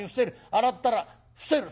洗ったら伏せる。